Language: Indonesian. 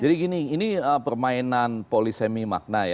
jadi gini ini permainan polisemi makna ya